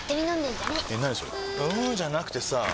んーじゃなくてさぁ